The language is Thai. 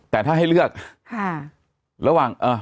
แต่ถ้าให้เลือกห้า